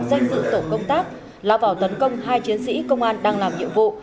danh dự tổ công tác lao vào tấn công hai chiến sĩ công an đang làm nhiệm vụ